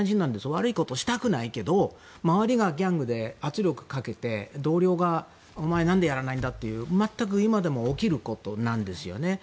悪いことをしたくないけど周りがギャングで圧力をかけて、同僚がお前、何でやらないんだと全く今でも起きることなんですよね。